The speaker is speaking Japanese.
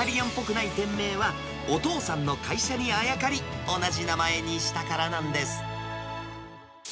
ない店名は、お父さんの会社にあやかり、同じ名前にしたからなんです。